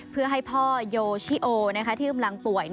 เพื่อให้พ่อโยชิโอที่กำลังป่วย